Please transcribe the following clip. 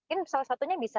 ini salah satunya bisa